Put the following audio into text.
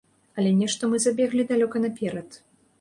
Але нешта мы забеглі далёка наперад.